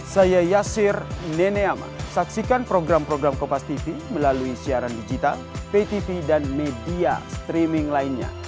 saya yassir nene amar saksikan program program kompastv melalui siaran digital ptv dan media streaming lainnya